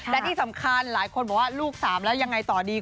และที่สำคัญหลายคนบอกว่าลูก๓แล้วยังไงต่อดี